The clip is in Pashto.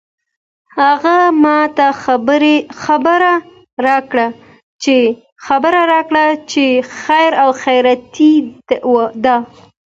هغې ما ته خبر راکړ چې خیر او خیریت ده